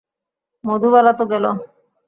মধুবালা তো গেলো।